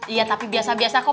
iya tapi biasa biasa kok